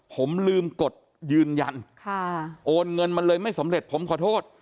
ผมลืมกดยืนยันโอนเงินมาเลยไม่สำเร็จผมขอโทษ